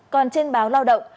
còn trên báo lao động